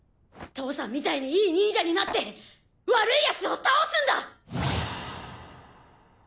父さんみたいにいい忍者になって悪いやつを倒すんだ！